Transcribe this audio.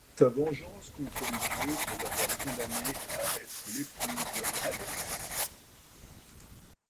C'est sa vengeance contre les dieux pour l'avoir condamnée à être l'épouse de Hadès.